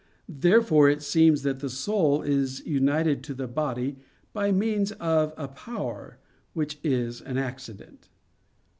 Therefore it seems that the soul is united to the body by means of a power, which is an accident.